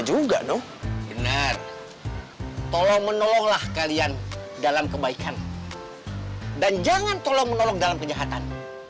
juga dong benar tolong menolonglah kalian dalam kebaikan dan jangan tolong menolong dalam kejahatan